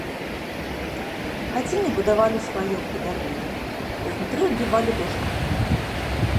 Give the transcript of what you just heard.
Хаціны будавалі з хваёвых бярвенняў, знутры аббівалі дошкамі.